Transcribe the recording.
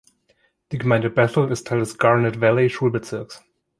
Die Gemeinde Bethel ist Teil des Garnet Valley Schulbezirks.